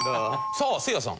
さあせいやさん。